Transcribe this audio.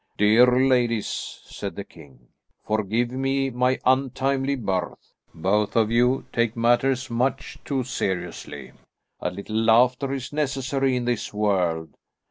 "Dear ladies," said the king, "forgive me my untimely mirth. Both of you take matters much too seriously; a little laughter is necessary in this world.